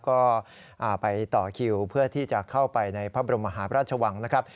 ก็ไปต่อคิวเพื่อที่จะเข้าไปในพระบรมมหาพระราชวังนะครับ